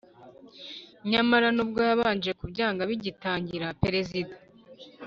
nyamara nubwo yabanje kubyanga bigitangira, perezida